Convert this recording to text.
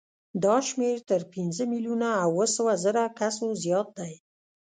دا شمېر تر پنځه میلیونه او اوه سوه زرو کسو زیات دی.